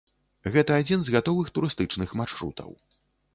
Гэта адзін з гатовых турыстычных маршрутаў.